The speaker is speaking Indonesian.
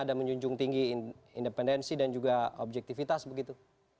dan menjunjung tinggi independensi dan juga objektivitas begitu